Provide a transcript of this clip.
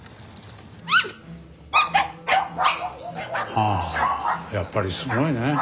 はぁやっぱりすごいね。